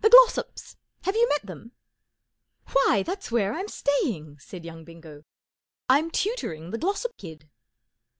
The Glossops. Have you met them ?" Why,, that's where I'm staying! " said young Bingo. " Vm tutoring the Glossop kid.